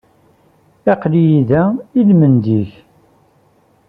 Aql-iyi da i lmendad-ik.